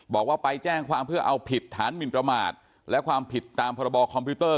บอกว่าไปแจ้งความเพื่อเอาผิดฐานหมินประมาทและความผิดตามพรบคอมพิวเตอร์